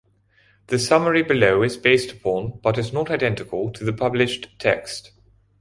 The summary below is based upon but is not identical to the published text.